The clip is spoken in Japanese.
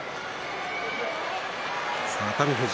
熱海富士